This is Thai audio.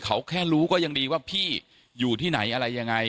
เขาแค่รู้ก็ยังดีว่าพี่อยู่ที่ไหนอะไรยังไง